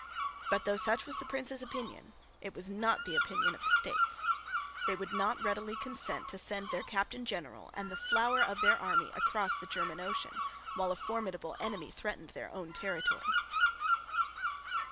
But, though such was the Prince's opinion, it was not the opinion of the States. They would not readily consent to send their Captain General and the flower of their army across the German Ocean, while a formidable enemy threatened their own territory.